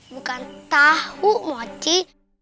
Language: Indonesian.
bukan tau mochi